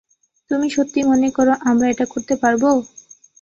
তুমি সত্যিই মনে করো আমরা এটা করতে পারবো?